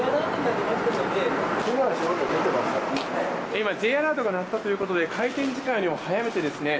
今、Ｊアラートが鳴ったということで開店時間を早めてですね